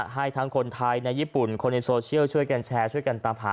ให้ทั้งคนไทยในญี่ปุ่นคนในโซเชียลช่วยกันแชร์ช่วยกันตามหา